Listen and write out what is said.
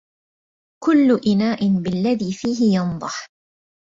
كل إناء بالذي فيه ينضح